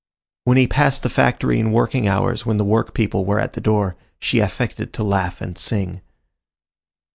When she passed the factory in working hours, when the workpeople were at the door, she affected to laugh and sing.